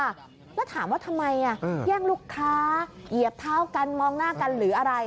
แล้วถามว่าทำไมแย่งลูกค้าเหยียบเท้ากันมองหน้ากันหรืออะไร